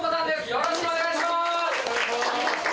よろしくお願いします！